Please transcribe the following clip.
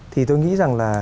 thì tôi nghĩ rằng là